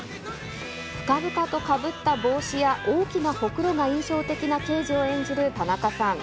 深々とかぶった帽子や、大きなほくろが印象的な刑事を演じる田中さん。